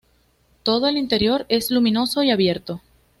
Todo el interior es luminoso y abierto.